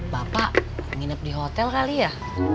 bapak nginep di hotel kali ya